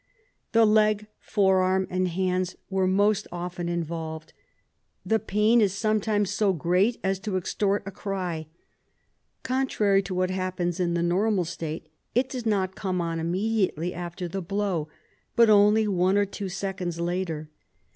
The leg, forearm, and hands are most often involved. The pain is sometimes so great as to extort a cry. Contrary to what happens in the normal state, it does not come on imme diately after the blow, but only one or two seconds later.